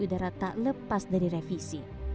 dan kesehatan udara tak lepas dari revisi